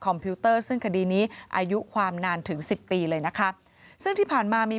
พิวเตอร์ซึ่งคดีนี้อายุความนานถึงสิบปีเลยนะคะซึ่งที่ผ่านมามี